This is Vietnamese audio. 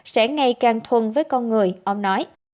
sẽ ngay càng thuần với con người ông nói